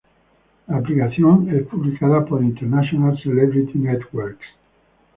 La aplicación es publicada por International Celebrity Networks.